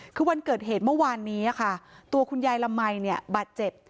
คือวันเกิดเหตุเมื่อวานนี้ค่ะตัวคุณยายละมัยเนี่ยบาดเจ็บ